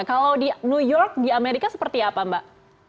kalau di new york di amerika seperti apa mbak